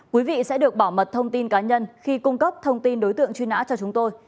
quý vị sẽ được bảo mật thông tin cá nhân khi cung cấp thông tin đối tượng truy nã cho chúng tôi